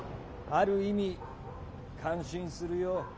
ある意味感心するよ。